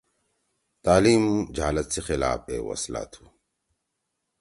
تعلیم جہالت سی خلاف اے وسلا تُھو۔